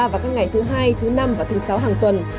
vào thứ sáu hàng tuần